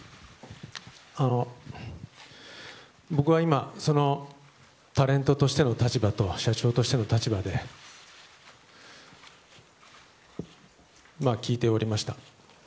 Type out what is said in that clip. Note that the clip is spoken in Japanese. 僕は今タレントとしての立場と社長としての立場で聞いておりました。